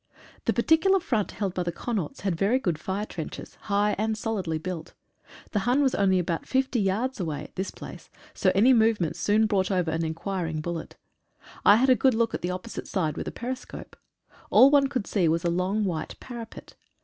The particular front held by the Connaughts had very good fire trenches — high and solidly built. The Hun was only about 50 yards away at this place, so any movement soon brought over an enquiring bullet. I had a good look at the opposite side with a periscope. All one could see was a long white parapet.